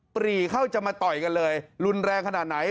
ปรีเข้าจะมาต่อยกันเลยรุนแรงขนาดไหน